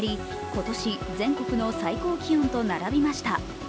今年全国の最高気温と並びました。